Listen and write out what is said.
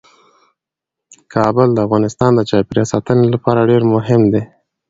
کابل د افغانستان د چاپیریال ساتنې لپاره ډیر مهم دی.